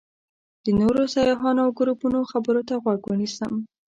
د نورو سیاحانو او ګروپونو خبرو ته غوږ ونیسم.